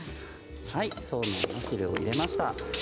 そうめんの汁を入れました。